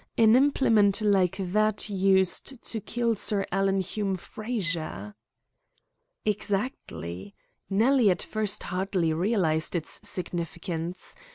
An implement like that used to kill Sir Alan Hume Frazer." "Exactly. Nellie at first hardly realised its significance.